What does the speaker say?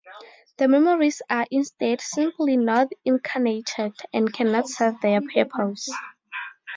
The memories are, instead, simply not 'incarnated', and cannot serve their purpose.